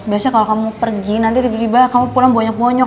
biasanya kalau kamu pergi nanti tiba tiba kamu pulang bonyok bonyok